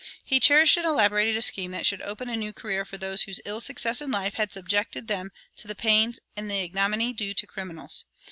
He cherished and elaborated a scheme that should open a new career for those whose ill success in life had subjected them to the pains and the ignominy due to criminals.